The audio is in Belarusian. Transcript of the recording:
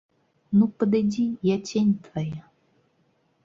Ну, падыдзі, я цень твая.